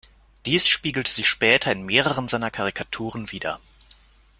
Dies spiegelte sich später in mehreren seiner Karikaturen wider.